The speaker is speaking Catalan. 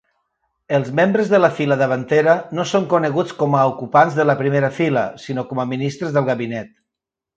Els membres de la fila davantera no són coneguts com a ocupants de la primera fila, sinó com a ministres del gabinet.